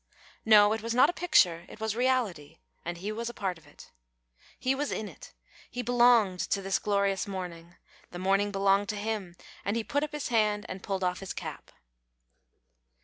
No, it was not a picture, it was reality, and he was a part of it. He was in it, he belonged to this glorious morning, the morning belonged to him, and he put up his hand and pulled off his cap.